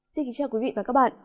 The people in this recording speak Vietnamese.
xin kính chào quý vị và các bạn